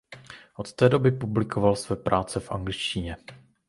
Od té doby publikoval své práce v angličtině.